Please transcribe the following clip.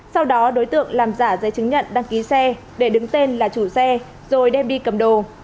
sau đó đối tượng làm giả giấy chứng nhận đăng ký xe để đứng tên là chủ xe rồi đem đi cầm đồ